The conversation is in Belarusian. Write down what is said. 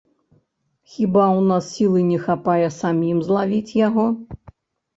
Хіба ў нас сілы не хапае самім злавіць яго?